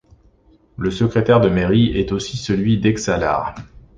Le secrétaire de mairie est aussi celui d'Etxalar.